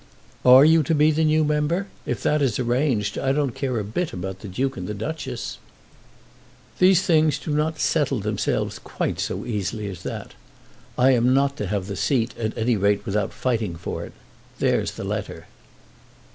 "Are you to be the new member? If that is arranged I don't care a bit about the Duke and Duchess." "These things do not settle themselves quite so easily as that. I am not to have the seat at any rate without fighting for it. There's the letter."